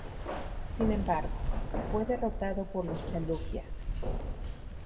Sin embargo, fue derrotado por los Chalukyas.